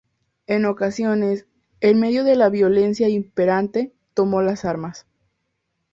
En ocasiones, en medio de la violencia imperante, tomó las armas.